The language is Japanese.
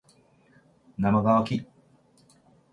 なまがわき